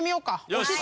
よし！